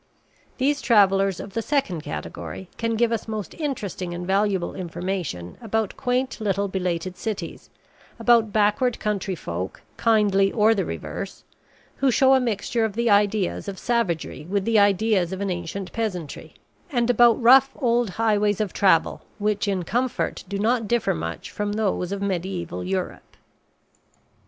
These travellers of the second category can give us most interesting and valuable information about quaint little belated cities; about backward country folk, kindly or the reverse, who show a mixture of the ideas of savagery with the ideas of an ancient peasantry; and about rough old highways of travel which in comfort do not differ much from those of mediaeval Europe.